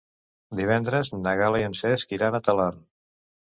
Divendres na Gal·la i en Cesc iran a Talarn.